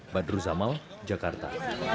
badru zamal jakarta